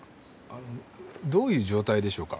あどういう状態でしょうか？